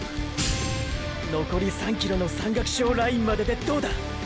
のこり３ｋｍの山岳賞ラインまででどうだ？